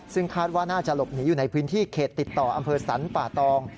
ซึ่งคาดว่าน่าจะหลบหนีอยู่ในพื้นที่เขตติดต่ออำเภอสรรป่าตอง